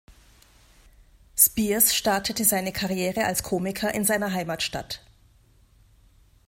Spears startete seine Karriere als Komiker in seiner Heimatstadt.